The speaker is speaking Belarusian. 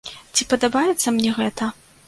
Ці падабаецца мне гэта?